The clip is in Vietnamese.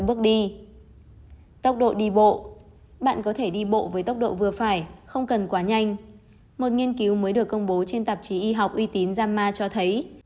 một nghiên cứu mới được công bố trên tạp chí y học uy tín jama cho thấy